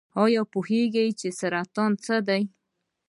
ایا پوهیږئ چې سرطان څه دی؟